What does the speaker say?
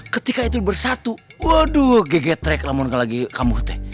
ketika itu bersatu waduh gg trek lah mohon gak lagi kamu teh